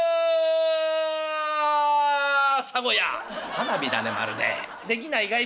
「花火だねまるで。できないかい？